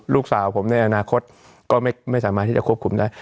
ลูกสาวผมในอนาคตก็ไม่สามารถที่จะควบคุมได้